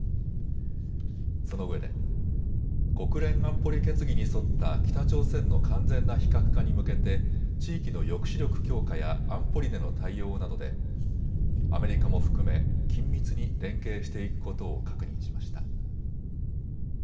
そのうえで国連安保理決議に沿った北朝鮮の完全な非核化に向けて地域の抑止力強化や安保理での対応などでアメリカも含め緊密に連携していくことを確認しました。